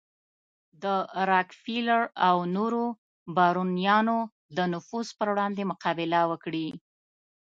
د راکفیلر او نورو بارونیانو د نفوذ پر وړاندې مقابله وکړي.